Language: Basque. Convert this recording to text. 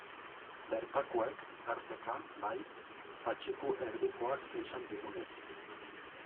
Bertakoek, tarteka, bai, Patxiku Erdikoak esan digunez.